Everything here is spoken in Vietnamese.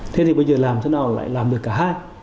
thế thì bây giờ làm thế nào lại làm được cả hai